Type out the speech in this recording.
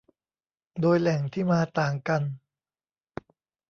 โดยแหล่งที่มาต่างกัน